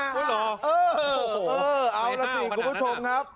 เออเอาละสิกูก็ชบนะ